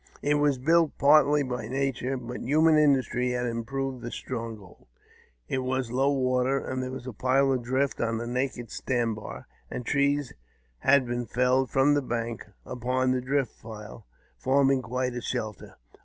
It was built partly by nature, but human industry had improved the stronghold. It was low water, and there was a pile of drift on a naked sand bar, and trees had been felled from the bank upon the drift pile forming quite a shelter.